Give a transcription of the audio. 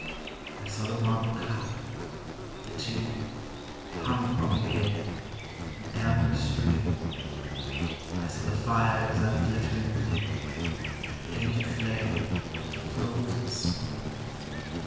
I saw the marble cup ; the tea, Hung on the air, an amber stream ; I saw the fire's unglittering gleam, The painted flame, the frozen smoke.